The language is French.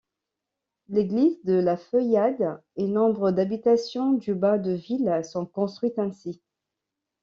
L’église de Lafeuillade et nombre d’habitations du bas de ville sont construites ainsi.